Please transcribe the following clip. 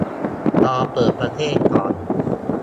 รอเปิดประเทศก่อน